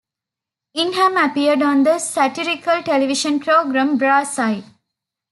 Ingham appeared on the satirical television programme, "Brass Eye".